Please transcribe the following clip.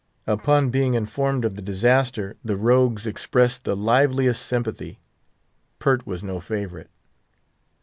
Upon being informed of the disaster, the rogues expressed the liveliest sympathy. Pert was no favourite.